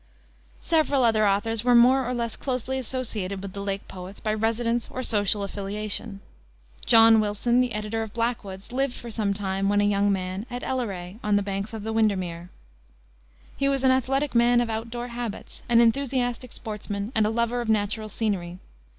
Several other authors were more or less closely associated with the Lake Poets by residence or social affiliation. John Wilson, the editor of Blackwood's, lived for some time, when a young man, at Elleray, on the banks of Windermere. He was an athletic man of out door habits, an enthusiastic sportsman, and a lover of natural scenery.